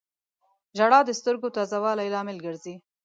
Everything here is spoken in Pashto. • ژړا د سترګو تازه والي لامل ګرځي.